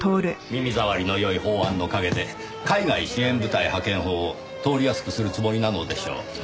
耳障りのよい法案の陰で海外支援部隊派遣法を通りやすくするつもりなのでしょう。